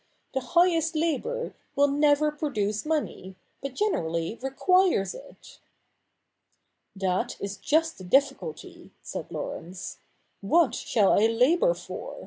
The highest labour will never produce money, but generally requires it.' ' That is just the difficulty,' said Laurence. ' What shall I labour for ?